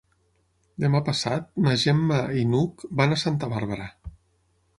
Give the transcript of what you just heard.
Demà passat na Gemma i n'Hug van a Santa Bàrbara.